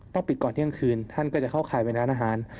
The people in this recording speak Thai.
ปิดก่อนเที่ยงคืนท่านก็จะเข้าข่ายไปร้านอาหาร